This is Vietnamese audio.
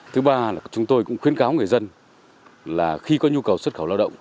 thứ ba là chúng tôi cũng khuyến cáo người dân là khi có nhu cầu xuất khẩu lao động